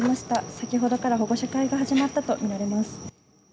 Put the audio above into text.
先ほどから保護者会が始まったと見られます。